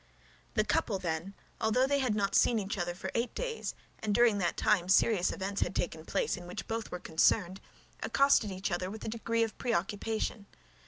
The couple, then, although they had not seen each other for eight days, and during that time serious events had taken place in which both were concerned, accosted each other with a degree of preoccupation.